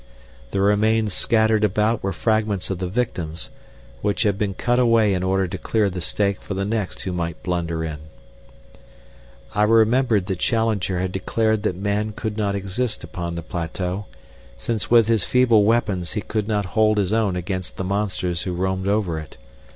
The remains scattered about were fragments of the victims, which had been cut away in order to clear the stake for the next who might blunder in. I remembered that Challenger had declared that man could not exist upon the plateau, since with his feeble weapons he could not hold his own against the monsters who roamed over it.